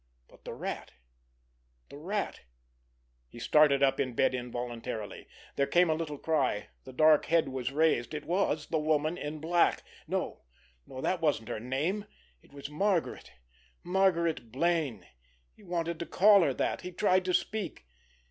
But the Rat—the Rat! He started up in bed involuntarily. There came a little cry. The dark head was raised. It was the Woman in Black. No, that wasn't her name. It was Margaret—Margaret Blaine. He wanted to call her that. He tried to speak.